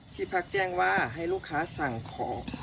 ที่พักแจ้งว่าให้ลูกค้าสั่งของ